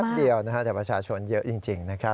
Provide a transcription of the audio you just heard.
แจกพัดเดียวแต่ประชาชนเยอะจริงนะครับ